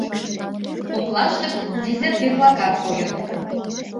Коклаштышт дезертир-влакат койыт.